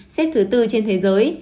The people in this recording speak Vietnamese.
xếp thứ tư trên thế giới